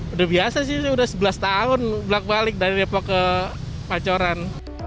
udah biasa sih udah sebelas tahun belak balik dari depok ke pacoran